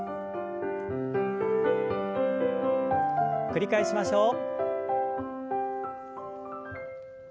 繰り返しましょう。